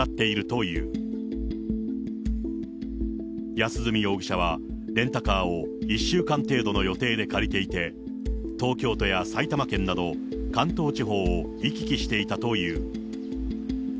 安栖容疑者はレンタカーを１週間程度の予定で借りていて、東京都や埼玉県など、関東地方を行き来していたという。